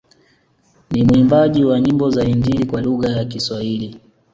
Ni mwimbaji wa nyimbo za injili kwa lugha ya Kiswahili